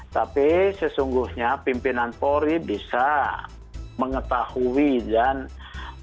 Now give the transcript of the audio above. tapi sesungguhnya pimpinan polri bisa mengetahui dan masing masing pimpinan diatasnya bisa mengetahui